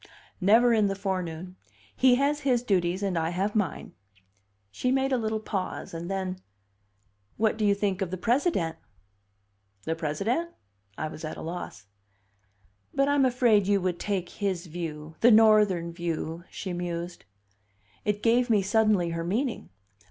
"Never in the forenoon. He has his duties and I have mine." She made a little pause, and then, "What do you think of the President?" "The President?" I was at a loss. "But I'm afraid you would take his view the Northern view," she mused. It gave me, suddenly, her meaning.